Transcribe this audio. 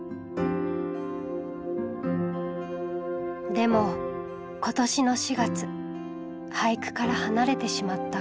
でも今年の４月俳句から離れてしまった。